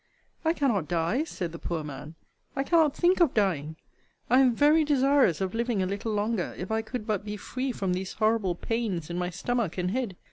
I cannot die, said the poor man I cannot think of dying. I am very desirous of living a little longer, if I could but be free from these horrible pains in my stomach and head.